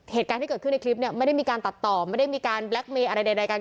เหตุการณ์ที่เกิดขึ้นในคลิปเนี่ยไม่ได้มีการตัดต่อไม่ได้มีการแล็คเมย์อะไรใดกัน